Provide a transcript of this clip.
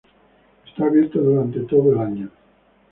Está abierto durante todo el año.